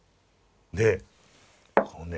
でこのね